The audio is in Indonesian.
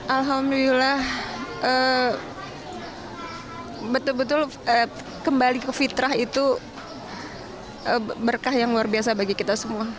alhamdulillah betul betul kembali ke fitrah itu berkah yang luar biasa bagi kita semua